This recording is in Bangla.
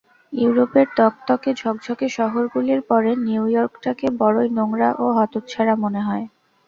ইউরোপের তকতকে ঝকঝকে শহরগুলির পরে নিউ ইয়র্কটাকে বড়ই নোংরা ও হতচ্ছাড়া মনে হয়।